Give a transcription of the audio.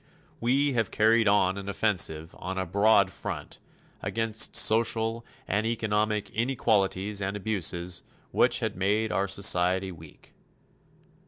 We have carried on an offensive on a broad front against social and economic inequalities and abuses which had made our society weak.